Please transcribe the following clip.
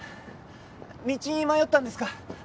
道に迷ったんですか？